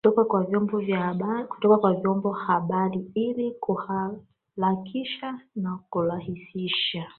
kutoka kwa vyombo habari ili kuharakisha na kurahisisha